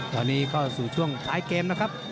ตอนนี้เข้าสู่ช่วงท้ายเกมนะครับ